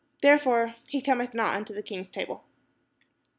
Therefore he cometh not unto the king's table."